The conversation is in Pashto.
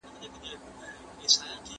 ¬ تر مزد ئې شکر دانه ډېره سوه.